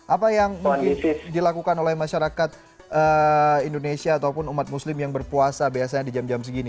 apa yang mungkin dilakukan oleh masyarakat indonesia ataupun umat muslim yang berpuasa biasanya di jam jam segini